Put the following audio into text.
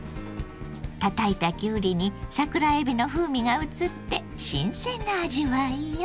たたいたきゅうりに桜えびの風味がうつって新鮮な味わいよ。